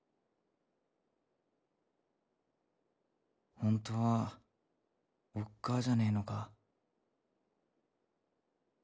本当はおっ母じゃねえのか？